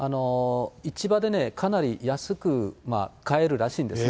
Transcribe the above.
市場でかなり安く買えるらしいんですね。